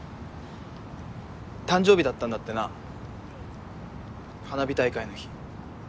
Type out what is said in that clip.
誕生日だったんだってな花火大会の日。